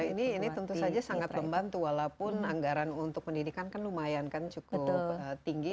ini tentu saja sangat membantu walaupun anggaran untuk pendidikan kan lumayan kan cukup tinggi